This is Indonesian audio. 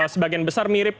sebagian besar mirip